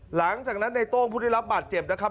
หลังจากนั้นในโต้งผู้ได้รับบาดเจ็บนะครับ